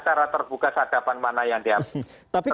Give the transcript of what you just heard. cara terbuka sadapan mana yang dihabis